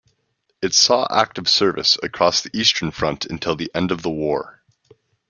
It saw active service across the Eastern Front until the end of the war.